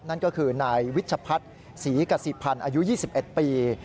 นั่นก็คือนายวิชพัฒน์ศรีกษิพันธ์อายุ๒๑ปี